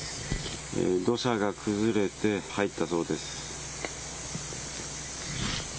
土砂が崩れて入ったそうです。